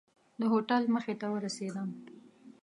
د هوټل مخې ته ورسېدم.